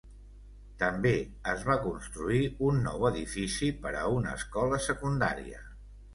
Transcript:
També es va construir un nou edifici per a una escola secundària.